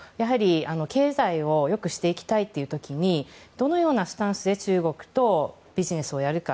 経済を良くしていきたい時にどのようなスタンスで中国とビジネスをやるか。